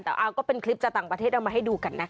แต่เอาก็เป็นคลิปจากต่างประเทศเอามาให้ดูกันนะคะ